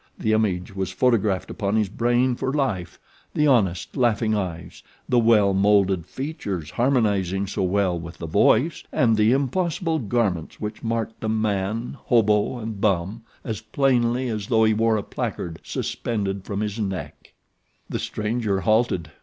The image was photographed upon his brain for life the honest, laughing eyes, the well moulded features harmonizing so well with the voice, and the impossible garments which marked the man hobo and bum as plainly as though he wore a placard suspended from his neck. The stranger halted.